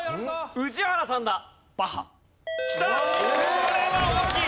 これは大きい。